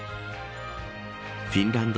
フィンランド